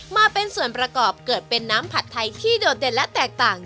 มาเป็นส่วนประกอบเกิดเป็นน้ำผัดไทยที่โดดเด่นและแตกต่าง